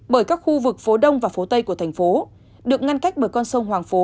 bởi các khu vực phố đông và phố tây của thành phố được ngăn cách bởi con sông hoàng phố